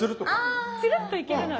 つるっといけるのが。